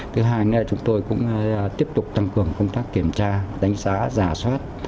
thứ hai chúng tôi cũng tiếp tục tăng cường công tác kiểm tra đánh giá giả soát